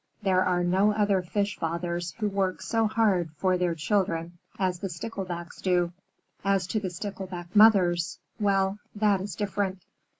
There are no other fish fathers who work so hard for their children as the Sticklebacks do. As to the Stickleback Mothers well, that is different.